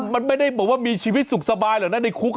มันไม่ได้แบบว่ามีชีวิตสุขสบายหรอกนะในคุก